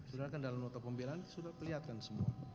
sudah kan dalam noto pembelahan sudah peliharkan semua